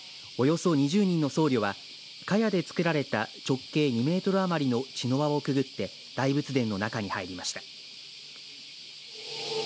およそ２０人の僧侶がかやで作られた直径２メートル余りの茅の輪をくぐって大仏殿の中に入りました。